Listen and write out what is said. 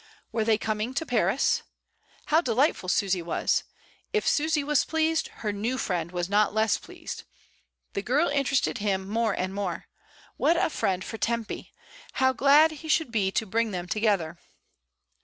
Were they coming to Paris? How delighted Susy was! If Susy was pleased, her new friend was not less pleased. The girl interested him more and more. What a friend for Tempy! How glad he should be to bring them together!